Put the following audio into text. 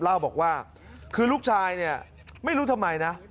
เล่าบอกว่าคือลูกชายเนี่ยไม่รู้ทำไมนะ